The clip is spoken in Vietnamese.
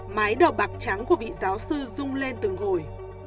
mái đầu bạc trắng của vị giáo sư rung lên từng hồi